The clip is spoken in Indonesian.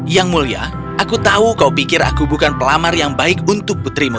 yang mulia aku tahu kau pikir aku bukan pelamar yang baik untuk putrimu